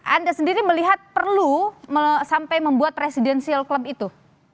anda sendiri melihat perlu sampai membuat presidensial club itu